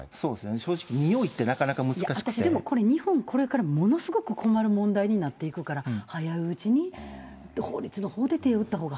正直、私でも、これ、日本、これからものすごく困る問題になっていくから、早いうちに法律のほうで手を打ったほうが早い。